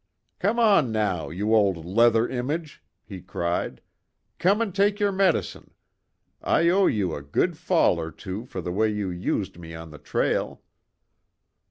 "Come on now, you old leather image!" he cried, "Come and take your medicine! I owe you a good fall or two for the way you used me on the trail.